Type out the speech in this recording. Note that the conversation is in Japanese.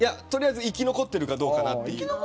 とりあえず、生き残ってるかどうかなっていう。